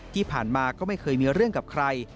ที่ผ่านมาก็ไม่เคยมีเรื่องกับใคร